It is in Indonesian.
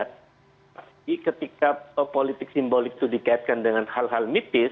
tapi ketika politik simbolik itu dikaitkan dengan hal hal mitis